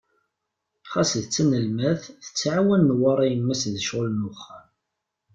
Ɣas d tanelmadt, tettɛawan Newwara yemma-s di ccɣel n wexxam.